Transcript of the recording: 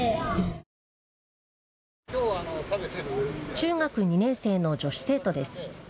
中学２年生の女子生徒です。